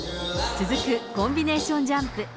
続くコンビネーションジャンプ。